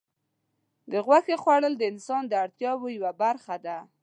د غوښې خوړل د انسان د اړتیاوو یوه برخه ده.